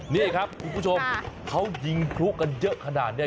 นี่ครับคุณผู้ชมเขายิงพลุกันเยอะขนาดนี้